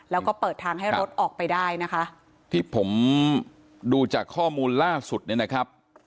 แล้วก็เปิดทางให้รถออกไปได้นะคะที่ผมดูจากข้อมูลล่าสุดเนี่ยนะครับ